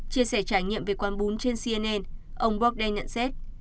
chia sẻ trải nghiệm về quán bún trên cnn ông borrdan nhận xét